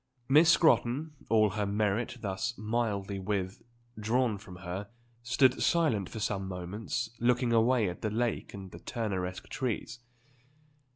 Miss Scrotton, all her merit thus mildly withdrawn from her, stood silent for some moments looking away at the lake and the Turneresque trees.